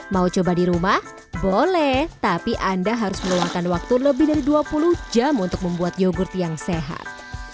mau coba di rumah boleh tapi anda harus meluangkan waktu lebih dari dua puluh jam untuk membuat yogurt yang sehat